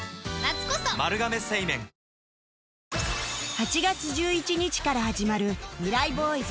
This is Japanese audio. ８月１１日から始まるミライ Ｂｏｙｓ